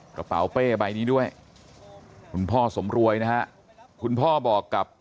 กระเป๋าเป้ใบนี้ด้วยคุณพ่อสมรวยนะฮะคุณพ่อบอกกับ